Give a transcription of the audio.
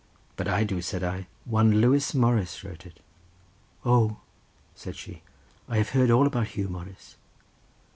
"But I do," said I; "one Lewis Morris wrote it." "Oh," said she, "I have heard all about Huw Morris."